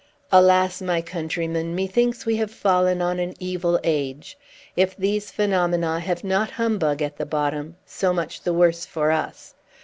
Alas, my countrymen, methinks we have fallen on an evil age! If these phenomena have not humbug at the bottom, so much the worse for us.